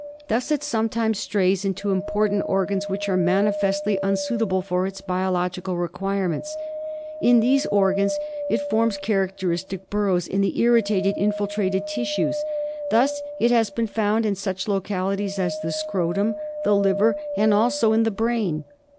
Thus it sometimes strays into important organs which are manifestly unsuitable for its biologic requirements. In these organs it forms characteristic burrows in the irri tated, infiltrated tissues. Thus it has been found in such localities as the scrotum, the liver, and also in the brain.